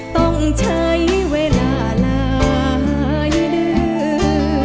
ต้องใช้เวลาหลายเดือน